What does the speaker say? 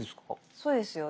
そうですよね。